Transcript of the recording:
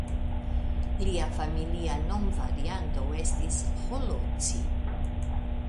Lia familia nomvarianto estis "Holocsi".